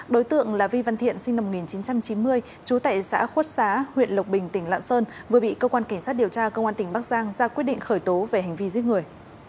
đối tượng là vi văn thiện sinh năm một nghìn chín trăm chín mươi chú tại xã khuất xá huyện lộc bình tỉnh lạng sơn vừa bị cơ quan cảnh sát điều tra công an tỉnh bắc giang ra quyết định khởi tố về hành vi giết người